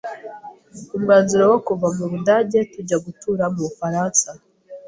umwanzuro wo kuva mu budage tujya gutura mu bufaransa